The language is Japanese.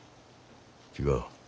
違う。